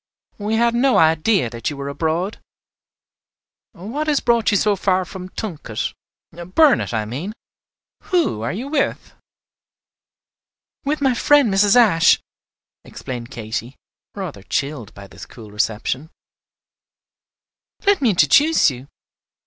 We had no idea that you were abroad. What has brought you so far from Tunket, Burnet, I mean? Who are you with?" "With my friend Mrs. Ashe," explained Katy, rather chilled by this cool reception. "Let me introduce you. Mrs.